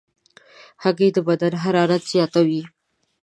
هګۍ د بدن حرارت زیاتوي.